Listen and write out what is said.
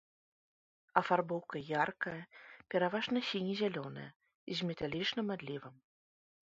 Афарбоўка яркая, пераважна сіне-зялёная, з металічным адлівам.